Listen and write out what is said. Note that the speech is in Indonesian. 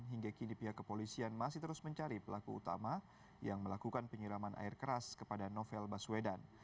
hingga kini pihak kepolisian masih terus mencari pelaku utama yang melakukan penyiraman air keras kepada novel baswedan